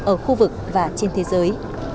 ở khu vực và trên thế giới